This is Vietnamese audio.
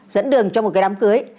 dẫn đường cho một cái đám cưới